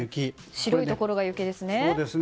白いところが雪ですね。